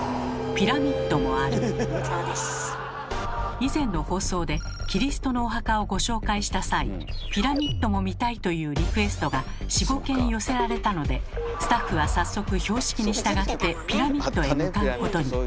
以前の放送でキリストのお墓をご紹介した際「ピラミッドも見たい」というリクエストが４５件寄せられたのでスタッフは早速標識に従ってピラミッドへ向かうことに。